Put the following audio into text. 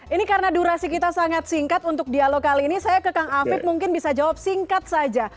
ini karena durasi kita sangat singkat untuk dialog kali ini saya ke kang afif mungkin bisa jawab singkat saja